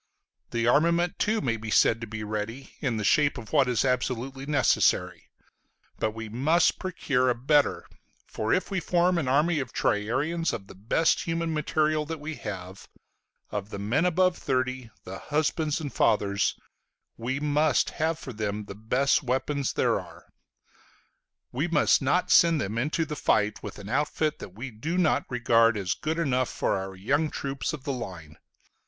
The armament too may be said to be ready, in the shape of what is absolutely necessary: but we must procure a better, for if we form an army of triarians of the best human material that we have, of the men above thirty, the husbands and fathers, we must have for them the best weapons there are. We must not send them into the fight with an outfit that we do not regard as good enough for our young troops of the line.